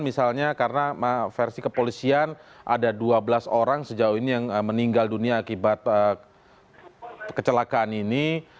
misalnya karena versi kepolisian ada dua belas orang sejauh ini yang meninggal dunia akibat kecelakaan ini